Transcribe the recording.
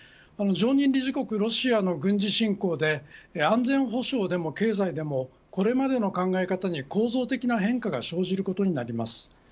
常任理事国ロシアの軍事侵攻で安全保障でも経済でもこれまでの考え方に構造的な変化が生じることになります。